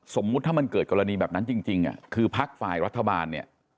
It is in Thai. สมมุติถ้ามันเกิดกรณีแบบนั้นจริงคือพักฝ่ายรัฐบาลเนี่ย